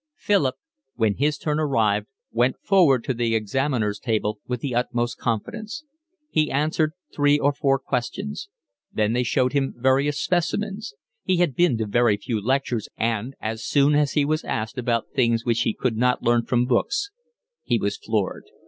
Philip, when his turn arrived, went forward to the examiner's table with the utmost confidence. He answered three or four questions. Then they showed him various specimens; he had been to very few lectures and, as soon as he was asked about things which he could not learn from books, he was floored.